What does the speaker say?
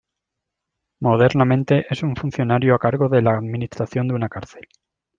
Modernamente, es un funcionario a cargo de la administración de una cárcel.